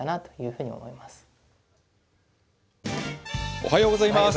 おはようございます。